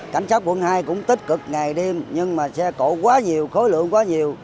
cảnh sát quận hai cũng tích cực ngày đêm nhưng mà xe cộ quá nhiều khối lượng quá nhiều